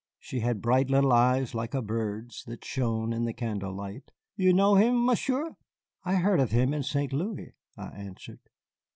She had bright little eyes like a bird's, that shone in the candlelight. "You know him, Monsieur?" "I heard of him in St. Louis," I answered.